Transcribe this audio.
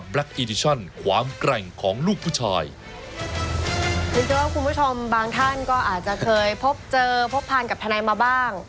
เชื่อว่าคุณผู้ชมบางท่านก็อาจจะเคยพบเจอพบผ่านกับทนายมาบ้าง